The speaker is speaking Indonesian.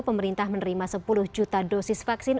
pemerintah menerima sepuluh juta dosis vaksin